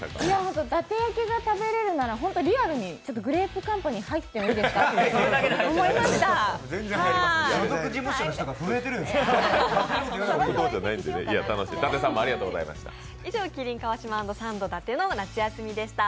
伊達焼きが食べれるならリアルにグレープカンパニー入ってもいいですか？って思いました。